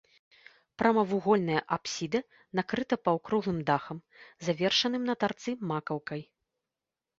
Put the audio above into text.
Прамавугольная апсіда накрыта паўкруглым дахам, завершаным на тарцы макаўкай.